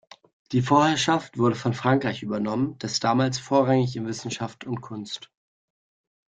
Die Vorherrschaft wurde von Frankreich übernommen, das damals voranging in Wissenschaft und Kunst.